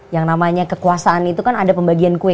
yang namanya kekuasaan itu kan ada pembagian kue